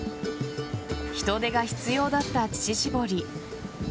人手が必要だった乳搾り。